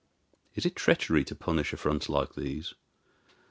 Is it treachery to punish affronts like these?